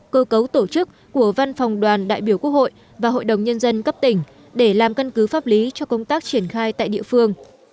cơ cấu tổ chức của văn phòng đoàn đại biểu quốc hội và hội đồng nhân dân cấp tỉnh để làm căn cứ pháp lý cho công tác triển khai tại địa phương